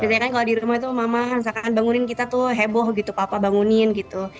biasanya kan kalau di rumah itu mama misalkan bangunin kita tuh heboh gitu papa bangunin gitu